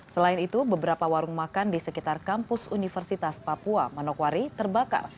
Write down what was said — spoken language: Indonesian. selain itu beberapa warung makan di sekitar kampus universitas papua manokwari terbakar